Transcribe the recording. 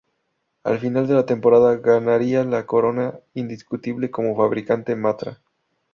Al final de la temporada, ganaría la corona indiscutible como fabricante Matra.